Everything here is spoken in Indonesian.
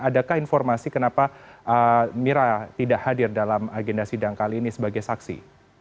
adakah informasi kenapa mira tidak hadir dalam agenda sidang kali ini sebagai saksi